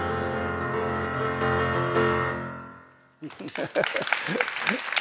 ハハハハ。